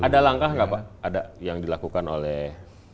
ada langkah nggak pak yang dilakukan oleh